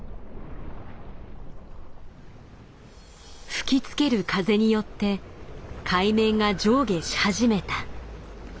吹きつける風によって海面が上下し始めた。